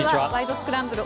スクランブル」